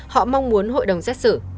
họ mong muốn hội đồng xét xử